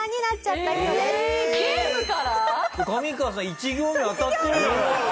１行目当たってるじゃないですか。